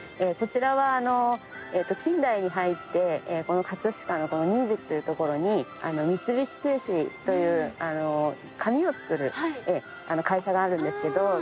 こちらは近代に入ってこの飾の新宿というところに三菱製紙という紙を作る会社があるんですけど。